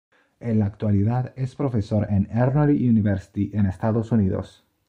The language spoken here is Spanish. En la actualidad es profesor en Emory University, en Estados Unidos.